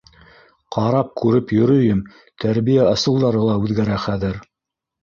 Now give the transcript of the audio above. Ҡарап-күреп йөрөйөм, тәрбиә ысулдары ла үҙгәрә хәҙер.